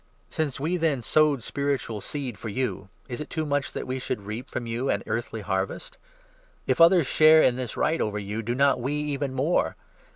Since n we, then, sowed spiritual seed for you, is it too much that we should reap from you an earthly harvest? If others share in 12 this right over you, do not we even more